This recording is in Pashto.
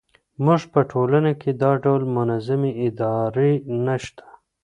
زموږ په ټولنه کې دا ډول منظمې ادارې نه شته.